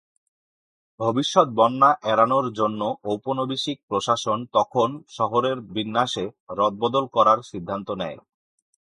ভবিষ্যৎ বন্যা এড়ানোর জন্য উপনিবেশিক প্রশাসন তখন শহরের বিন্যাসে রদবদল করার সিদ্ধান্ত নেয়।